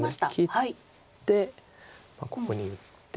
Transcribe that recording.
切ってここに打って。